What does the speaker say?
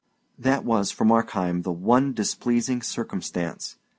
That was, for Markheim, the one displeasing circumstance.